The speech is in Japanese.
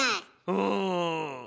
うん。